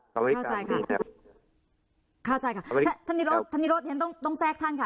เข้าใจค่ะเข้าใจจ้ะท่านนิฮสต์ต้องต้องแทรกท่านค่ะ